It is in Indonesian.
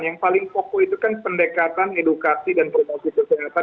yang paling fokus itu kan pendekatan edukasi dan protokol kesehatan